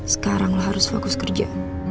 sekarang lo harus fokus kerja